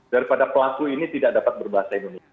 daripada pelaku ini tidak dapat berbahasa indonesia